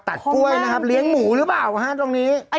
ตัดกล้วยนะครับเลี้ยงหมูหรือเปล่าฮะตรงนี้